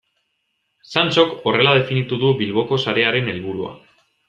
Santxok horrela definitu du Bilboko sarearen helburua.